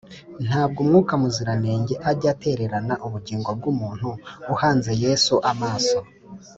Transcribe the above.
ntabwo mwuka muziranenge ajya atererana ubugingo bw’umuntu uhanze yesu amaso